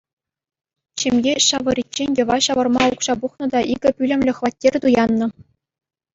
Ҫемье ҫавӑриччен йӑва ҫавӑрма укҫа пухнӑ та икӗ пӳлӗмлӗ хваттер туяннӑ.